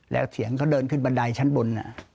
แล้วเสียงเขาเดินขึ้นบันไดชั้นบน